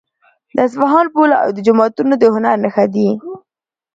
د اصفهان پل او جوماتونه د هنر نښه دي.